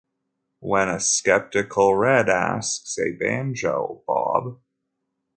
When a skeptical Red asks, A banjo, Bob?